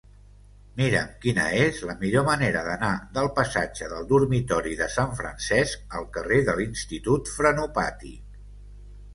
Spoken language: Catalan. Mira'm quina és la millor manera d'anar del passatge del Dormitori de Sant Francesc al carrer de l'Institut Frenopàtic.